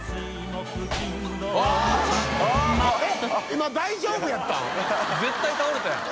今大丈夫やったん？